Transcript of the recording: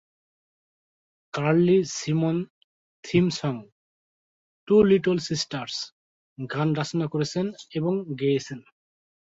Curly Simon theme song "two little sisters" গান রচনা করেছেন এবং গেয়েছেন।